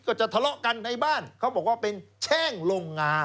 ก็จะทะเลาะกันในบ้านเขาบอกว่าเป็นแช่งลงงา